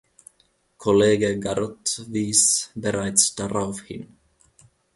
Kollege Garot wies bereits darauf hin.